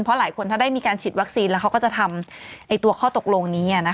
เพราะหลายคนถ้าได้มีการฉีดวัคซีนแล้วเขาก็จะทำตัวข้อตกลงนี้